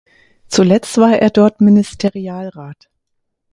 Zuletzt war er dort Ministerialrat.